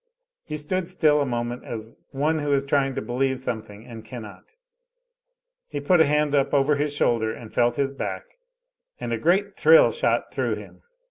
He stood still a moment, as one who is trying to believe something and cannot. He put a hand up over his shoulder and felt his back, and a great thrill shot through him.